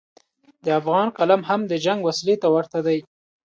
د افغان قلم هم د جنګ وسلې ته ورته دی.